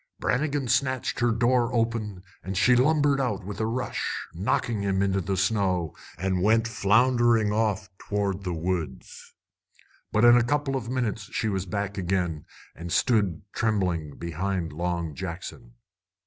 Brannigan snatched her door open, and she lumbered out with a rush, knocking him into the snow, and went floundering off toward the woods. But in a couple of minutes she was back again and stood trembling behind Long Jackson.